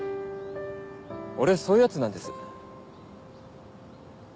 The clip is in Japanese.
俺そういうヤツなんです。